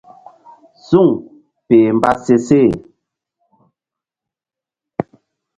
Suŋ peh mba se seh.